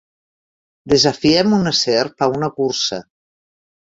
Desafiem una serp a una cursa.